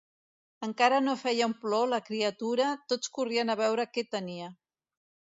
Encara no feia un plor la criatura, tots corrien a veure què tenia.